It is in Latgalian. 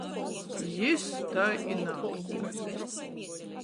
Jis tai i naatguoja.